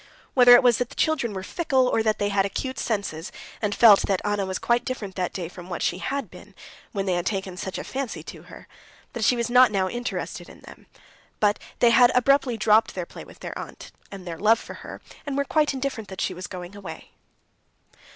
Whether it was that the children were fickle, or that they had acute senses, and felt that Anna was quite different that day from what she had been when they had taken such a fancy to her, that she was not now interested in them,—but they had abruptly dropped their play with their aunt, and their love for her, and were quite indifferent that she was going away.